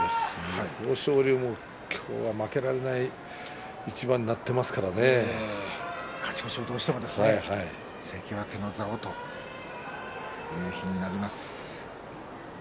豊昇龍も今日は負けられない一番に勝ち越しをどうしてもね関脇の座をというところです。